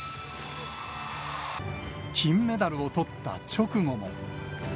金メダルをとった直後も。